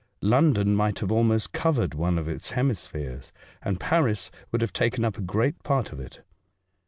London might have almost covered one of its hemispheres, and Paris would have taken up a great part of it.